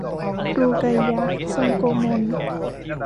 รูไกยะฮ์ ทรงโกมล